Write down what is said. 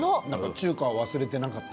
中華も忘れてなかった。